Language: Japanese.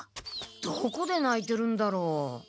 どこで鳴いてるんだろう。